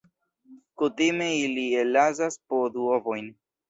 Kutime ili ellasas po du ovojn.